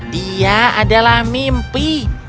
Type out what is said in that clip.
dia adalah mimpi